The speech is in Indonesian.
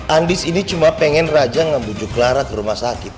andis ini cuma pengen raja ngebujuk lara ke rumah sakit